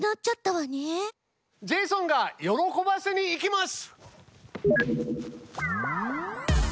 ジェイソンが喜ばせに行きます！